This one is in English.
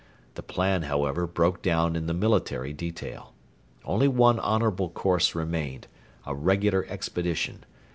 The plan, however, broke down in the military detail. Only one honourable course remained a regular expedition.